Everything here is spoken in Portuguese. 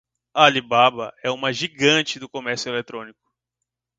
Alibaba é uma gigante do comércio eletrônico.